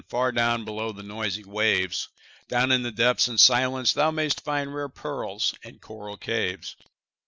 far down below the noisy waves, Down in the depths and silence thou mayst find Rare pearls and coral caves.